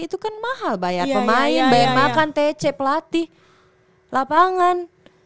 itu kan mahal bayar pemain bayar makan tece pelatih lapangan